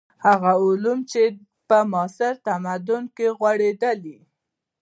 هغه علوم چې په معاصر تمدن کې غوړېدلي.